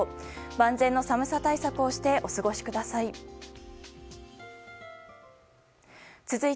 万全の寒さ対策をしてお過ごしください。